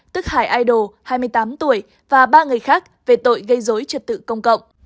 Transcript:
tức hải idol hai mươi tám tuổi và ba người khác về tội gây dối trật tự công cộng